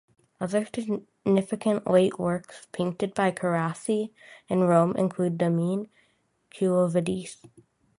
Other significant late works painted by Carracci in Rome include Domine, Quo Vadis?